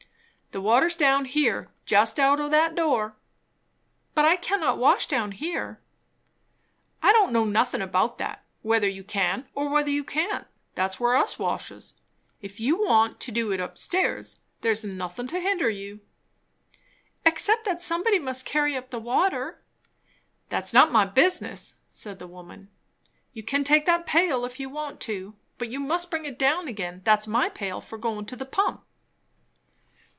"The water's down here just out o' that door." "But I cannot wash down here." "I don't know nothin' about that, whether you can or whether you can't. That's where us washes. If you want to do it up stairs, there's nothin' to hinder you." "Except that somebody must carry up the water." "That's not my business," said the woman. "You can take that pail if you want to; but you must bring it down again. That's my pail for goin' to the pump."